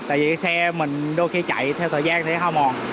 tại vì xe mình đôi khi chạy theo thời gian thì hoa mòn